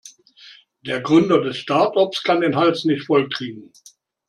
Der Gründer des Startups kann den Hals nicht voll kriegen.